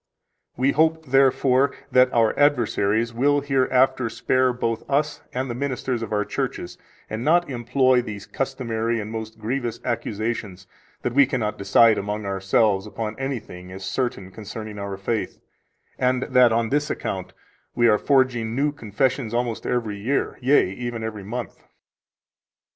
We hope, therefore, that our adversaries will hereafter spare both us and the ministers of our churches, and not employ these customary and most grievous accusations, that we cannot decide among ourselves upon anything as certain concerning our faith, and that, on this account, we are forging new confessions almost every year, yea, even every month.